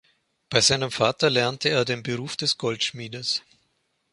Bei seinem Vater lernte er den Beruf des Goldschmiedes.